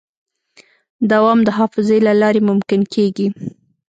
دوام د حافظې له لارې ممکن کېږي.